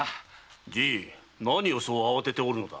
じい何をそう慌てておるのだ。